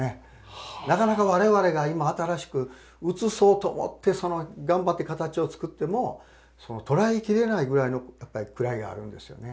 なかなか我々が今新しく写そうと思って頑張って形を作っても捉え切れないぐらいのやっぱり位があるんですよね。